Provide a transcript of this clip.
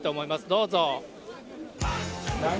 どうぞ。